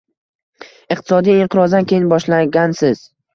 iqtisodiy inqirozdan keyin boshlagansiz.